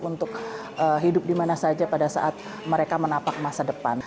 untuk hidup dimana saja pada saat mereka menapak masa depan